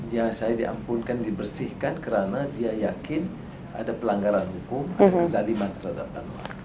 ya saya diampunkan dibersihkan karena dia yakin ada pelanggaran hukum ada kezaliman terhadap anwar